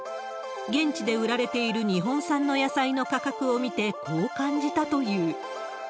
現地で売られている日本産の野菜の価格を見て、こう感じたという。